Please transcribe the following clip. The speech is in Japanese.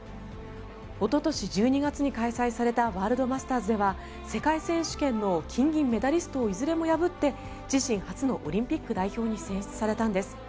おととし１２月に開催されたワールドマスターズでは世界選手権の金銀メダリストをいずれも破って自身初のオリンピック代表に選出されたんです。